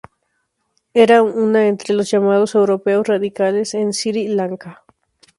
Era una entre los llamados Europeos Radicales en Sri Lanka.